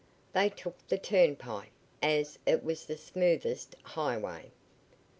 They took the turnpike, as it was the smoothest highway.